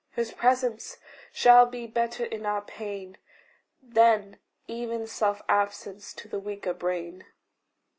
His presence shall be better in our pain, Than even self absence to the weaker brain.